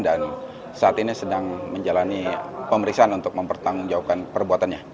saat ini sedang menjalani pemeriksaan untuk mempertanggungjawabkan perbuatannya